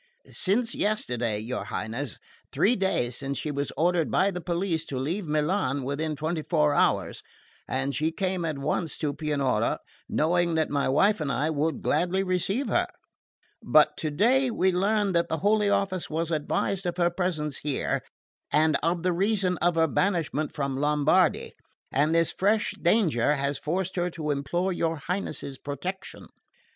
"Since yesterday, your Highness. Three days since she was ordered by the police to leave Milan within twenty four hours, and she came at once to Pianura, knowing that my wife and I would gladly receive her. But today we learned that the Holy Office was advised of her presence here, and of the reason of her banishment from Lombardy; and this fresh danger has forced her to implore your Highness's protection."